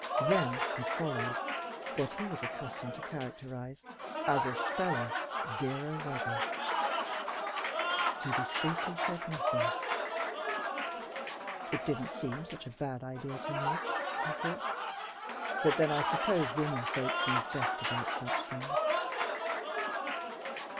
Then had followed what he was accustomed to characterize as a spell of "zero weather." He discreetly said nothing. "It didn't seem such a bad idea to me," he thought, "but then I suppose women folks know best about such things."